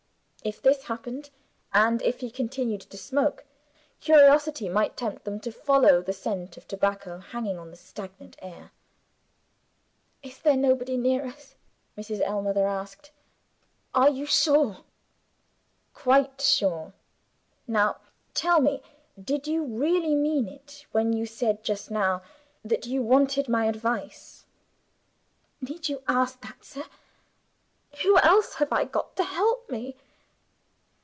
If this happened, and if he continued to smoke, curiosity might tempt them to follow the scent of tobacco hanging on the stagnant air. "Is there nobody near us?" Mrs. Ellmother asked. "Are you sure?" "Quite sure. Now tell me, did you really mean it, when you said just now that you wanted my advice?" "Need you ask that, sir? Who else have I got to help me?"